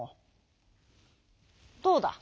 どうだ。